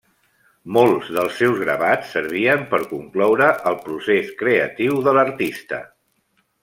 Molts dels seus gravats servien per concloure el procés creatiu de l'artista.